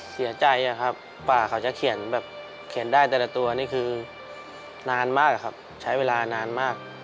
เสียใจอะครับกว่าเขาจะเขียนแบบเขียนได้แต่ละตัวนี่คือนานมากครับใช้เวลานานมาก